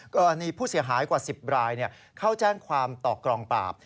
ก็อันนี้ผู้เสียหายกว่า๑๐รายเขาแจ้งความตอกกลองปราบ